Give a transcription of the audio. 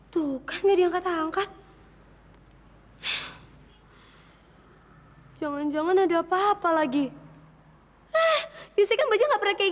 kita lebih tiba tiba bisa saja dan mendapatkan maklum bahwa